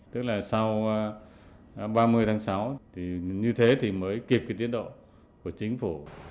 tức là sau ba mươi tháng sáu thì như thế thì mới kịp cái tiến độ của chính phủ